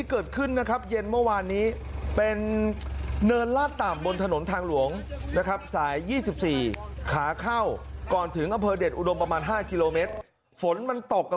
เกิดเหตุการณ์นี้ขึ้นครับ